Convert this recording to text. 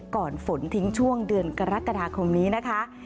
ก่อนฝนทิ้งช่วงเดือนกรกฎาคมนี้นะคะ